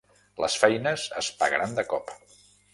Les feines es pagaran de cop.